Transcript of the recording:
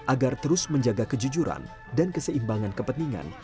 agar terus menjaga kejujuran dan keseimbangan kepentingan